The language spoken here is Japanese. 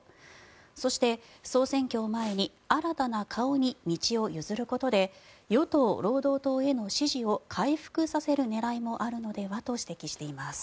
そして、総選挙を前に新たな顔に道を譲ることで与党・労働党への支持を回復させる狙いもあるのではと指摘しています。